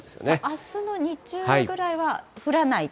あすの日中ぐらいは降らないと？